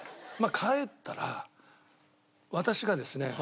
帰ったら私がですね